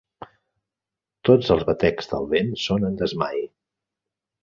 Tots els batecs del vent són en desmai.